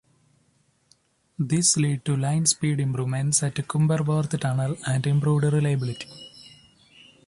This led to line speed improvements at Cumberworth Tunnel and improved reliability.